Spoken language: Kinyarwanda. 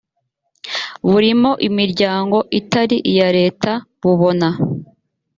burimo imiryango itari iya leta bubona